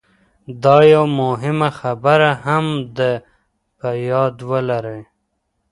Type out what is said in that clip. دا یوه مهمه خبره هم تل په یاد ولرئ